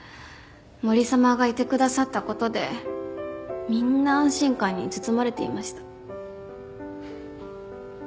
森様がいてくださった事でみんな安心感に包まれていました。